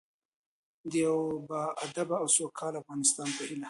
د یو باادبه او سوکاله افغانستان په هیله.